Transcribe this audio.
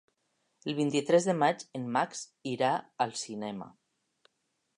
El vint-i-tres de maig en Max irà al cinema.